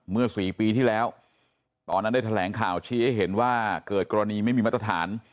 เมื่อ๔ปีที่แล้วตอนนั้นได้แถลงข่าวชี้ให้เห็นว่าเกิดกรณีไม่มีมาตรฐาน